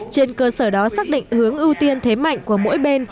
trên cơ sở đó xác định hướng ưu tiên thế mạnh của mỗi bên